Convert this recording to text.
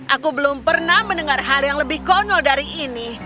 aku belum pernah mendengar hal yang lebih kono dari ini